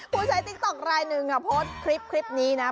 ใช้ติ๊กต๊อกรายหนึ่งโพสต์คลิปนี้นะ